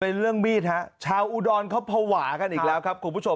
เรื่องมีดฮะชาวอุดรเขาภาวะกันอีกแล้วครับคุณผู้ชม